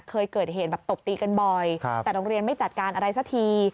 เคยเกิดเหตุแบบตบตีกันบ่อยแต่โรงเรียนไม่จัดการอะไรสักที